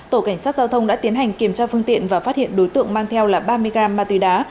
tổ cảnh sát giao thông đã tiến hành kiểm tra phương tiện và phát hiện đối tượng mang theo là ba mươi gram ma túy đá